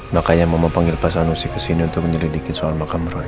makanya mama panggil pak sanusi kesini untuk meneliti soal makam roy